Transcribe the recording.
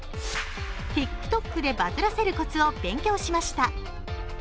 ＴｉｋＴｏｋでバズらせるコツを勉強しました。